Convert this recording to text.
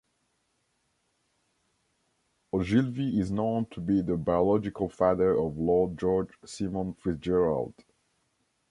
Ogilvie is known to be the biological father of Lord George Simon FitzGerald.